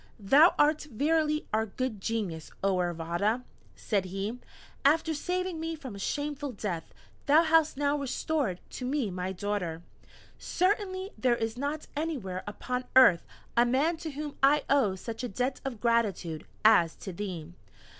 "Thou art verily our Good Genius, oh Iravata!" said he; "after saving me from a shameful death, thou hast now restored to me my daughter! Certainly there is not anywhere upon earth a man to whom I owe such a debt of gratitude, as to thee.